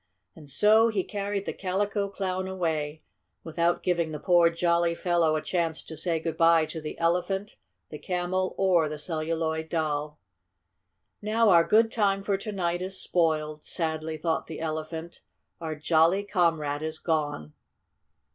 And so he carried the Calico Clown away, without giving the poor, jolly fellow a chance to say good bye to the Elephant, the Camel or the Celluloid Doll. "Now our good time for to night is spoiled," sadly thought the Elephant. "Our jolly comrade is gone!"